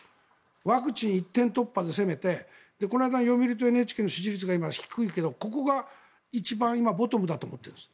ワクチン一点突破でせめてこの間、読売とＮＨＫの支持率が低かったけどここがボトムだとみている。